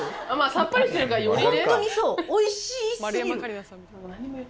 さっぱりしてるからよりね。